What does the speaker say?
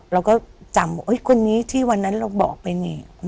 เราก็จำว่าคนนี้ที่วันนั้นเราบอกไปนี่